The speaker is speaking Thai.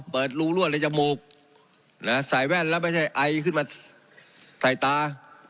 รูรั่วในจมูกใส่แว่นแล้วไม่ใช่ไอขึ้นมาใส่ตา